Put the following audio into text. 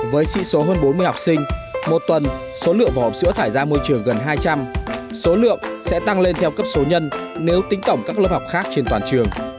với sĩ số hơn bốn mươi học sinh một tuần số lượng vỏ hộp sữa thải ra môi trường gần hai trăm linh số lượng sẽ tăng lên theo cấp số nhân nếu tính tổng các lớp học khác trên toàn trường